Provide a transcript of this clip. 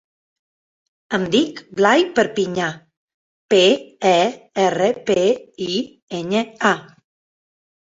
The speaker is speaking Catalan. Em dic Blai Perpiña: pe, e, erra, pe, i, enya, a.